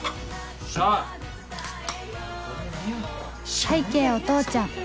拝啓お父ちゃん